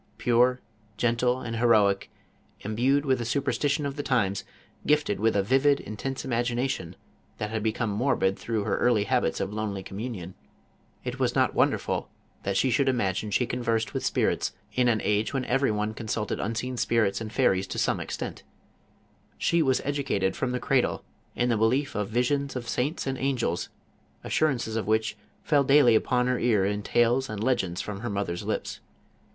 Purej^gentle, and heroic, Im^uedjvith the_superstition of the times, gift ed witk ft vivid,' intense imagination that had become morbid through her early habits of lonely communion, JOAW Of ARC. it was not wonderful that she should imagine she con versed with spirits, in an age when every one consulted unseen spirits and fairies to some extent; she was educated from the cradl* in. the belief of visions of saints" and angels, assurances of which fell daily upon her ear in tales and legends from her mother's lips.